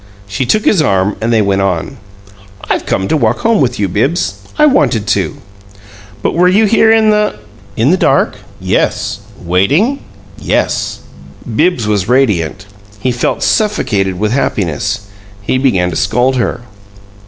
She took his arm, and they went on. "I've come to walk home with you, Bibbs. I wanted to." "But were you here in the " "In the dark? Yes! Waiting? Yes!" Bibbs was radiant; he felt suffocated with happiness. He began to scold her.